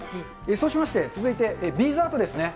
そうしまして続いて、ビーズアートですね。